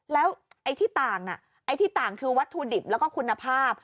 แล้วไอ้ที่ต่างน่ะไอ้ที่ต่างคือวัตถุดิบแล้วก็คุณภาพ